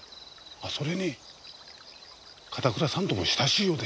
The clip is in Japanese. あそれに片倉さんとも親しいようでした。